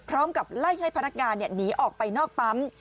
พร้อมกับไล่ให้พนักงานหนีออกไปนอกปั๊ม